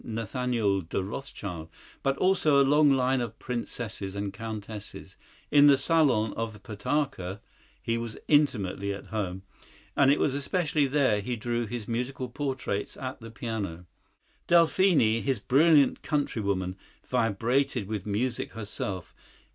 Nathaniel de Rothschild, but also a long line of princesses and countesses. In the salon of the Potocka he was intimately at home, and it was especially there he drew his musical portraits at the piano. Delphine, his brilliant countrywoman, vibrated with music herself.